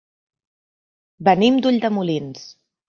Venim d'Ulldemolins.